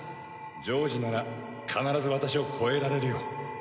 ジョージなら必ず私を超えられるよ。